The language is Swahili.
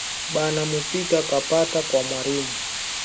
Bana mupika kapata kwa mwarimu